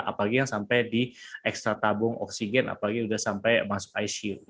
apalagi yang sampai di ekstra tabung oksigen apalagi sudah sampai masuk icu